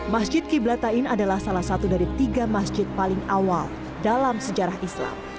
masjid qiblatain adalah salah satu dari tiga masjid paling awal dalam sejarah islam